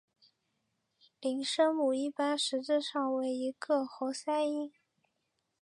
零声母一般实质上为一个喉塞音。